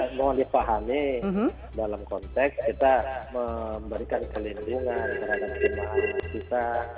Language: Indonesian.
ini juga mau dipahami dalam konteks kita memberikan kelindungan terhadap jemaah kita